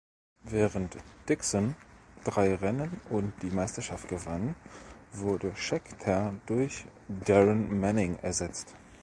Während Dixon drei Rennen und die Meisterschaft gewann, wurde Scheckter durch Darren Manning ersetzt.